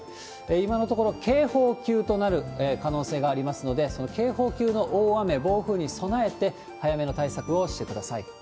今のところ、警報級となる可能性がありますので、その警報級の大雨、暴風に備えて、早めの対策をしてください。